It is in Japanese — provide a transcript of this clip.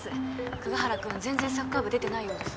久我原くん全然サッカー部出てないようです